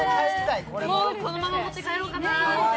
このまま持って帰ろうかなって。